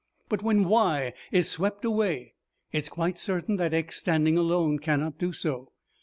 But when y is swept away it's quite certain that x standing alone cannot do so.